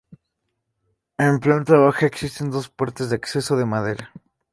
En planta baja existen dos puertas de acceso, de madera.